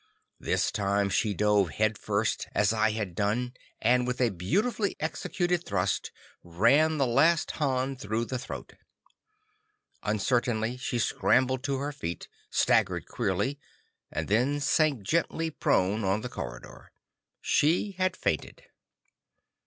This time she dove head first as I had done and, with a beautifully executed thrust, ran the last Han through the throat. Uncertainly, she scrambled to her feet, staggered queerly, and then sank gently prone on the corridor. She had fainted.